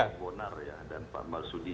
dan pak malsudi